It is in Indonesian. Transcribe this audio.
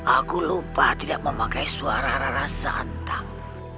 aku lupa tidak memakai suara rasa hentang